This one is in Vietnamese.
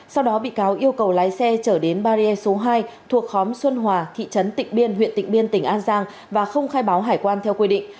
sau đó bị cáo yêu cầu lái xe chở đến barrier số hai thuộc khóm xuân hòa thị trấn tịnh biên huyện tịnh biên tỉnh an giang và không khai báo hải quan theo quy định